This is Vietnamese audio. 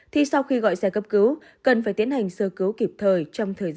thì sau khi gọi xe cấp cứu cần phải tiến hành sơ cứu kịp thời trong thời gian chờ đợi xe tới